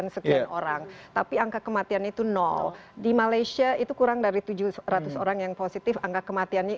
selamat siang bapak